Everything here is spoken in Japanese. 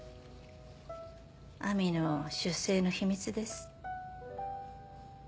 亜美の出生の秘密です。